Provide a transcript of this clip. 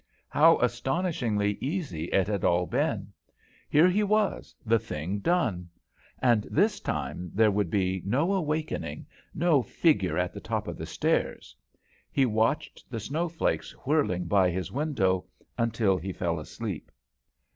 How astonishingly easy it had all been; here he was, the thing done; and this time there would be no awakening, no figure at the top of the stairs. He watched the snow flakes whirling by his window until he fell asleep.